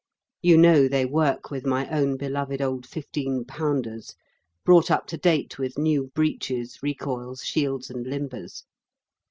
You know they work with my own beloved old fifteen pounders, brought up to date with new breeches, recoils, shields, and limbers.